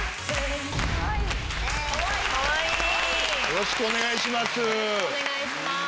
よろしくお願いします。